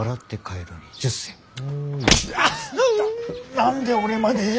何で俺まで？